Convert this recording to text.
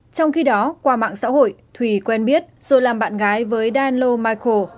trong khi đó qua mạng xã hội thùy quen biết rồi làm bạn gái với danlo micro